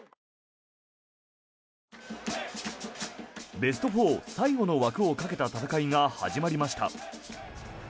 ベスト４最後の枠をかけた戦いが始まりました。